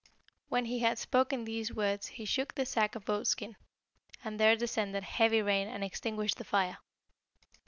"When he had spoken these words he shook the sack of goatskin, and there descended heavy rain and extinguished the fire.